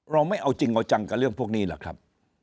ไม่เอาจริงเอาจังกับเรื่องพวกนี้หรอกครับ